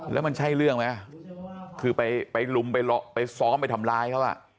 แล้วมันใช่เรื่องไหมคือไปลุมไปซ้อมไปทำร้ายเขา